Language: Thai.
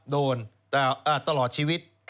โดนตลอดชีวิต